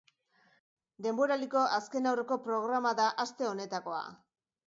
Denboraldiko azkenaurreko programa da aste honetakoa.